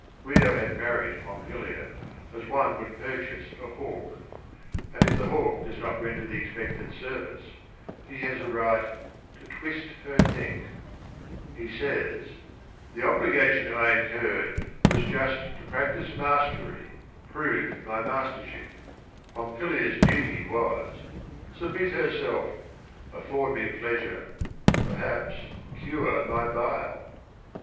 Guido had married Pompilia as one would pur chase a haw k: and if Lhn 1m, wk <1i iRT rnv rrprtdpy the expected service he has a right to " twist her neck." He says: COUNT GUIDO FRANCESCHINI 61 ."The obligation I incurred was just To practice mastery, prove my mastership :— Pompilia's duty was — submit herself, Afford me pleasure, perhaps cure my bile."